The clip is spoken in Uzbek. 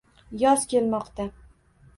Yoz kelmoqda